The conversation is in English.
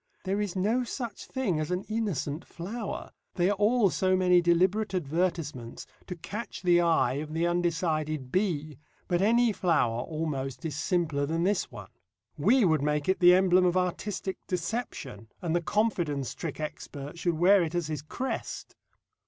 There is no such thing as an innocent flower; they are all so many deliberate advertisements to catch the eye of the undecided bee, but any flower almost is simpler than this one. We would make it the emblem of artistic deception, and the confidence trick expert should wear it as his crest.